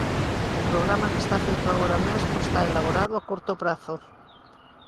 O programa que está feito agora mesmo está elaborado a curto prazo.